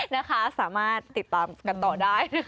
นะคะสามารถติดตามกันต่อได้